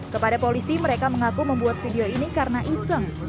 kepada polisi mereka mengaku membuat video ini karena iseng